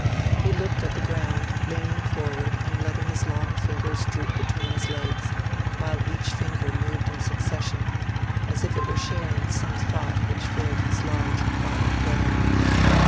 He looked at the ground, leaning forward and letting his long fingers droop between his legs, while each finger moved in succession, as if it were sharing some thought which filled his large quiet brow.